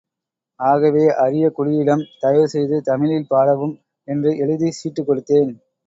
ஆகவே அரியக் குடியிடம், தயவு செய்து தமிழில் பாடவும், என்று சீட்டு எழுதிக் கொடுத்தேன்.